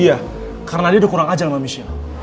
iya karena dia udah kurang ajar sama michelle